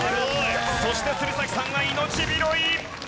そして鶴崎さんは命拾い。